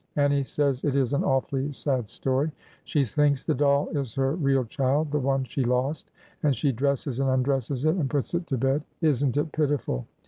Annie says it is an awfully ; sad story. She thinks the doll is her real child,— the one she lost, — and she dresses and undresses it and puts it to | bed. Is nl it pitiful